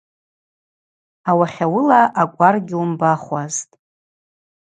Ауахьауыла акӏвар гьуымбахуазтӏ.